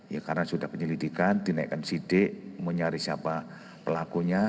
ya karena sudah penyelidikan dinaikkan sidik mencari siapa pelakunya